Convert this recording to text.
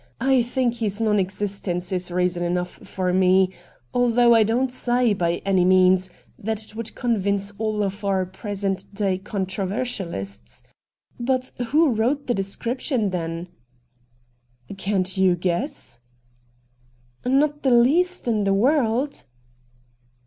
' I think his non existence is reason enough for me — although I don't say, by any means, that it would convince all our present day controver sialists. But who wrote the description, then ?'' Can't you guess ?'' Not the least in the world.'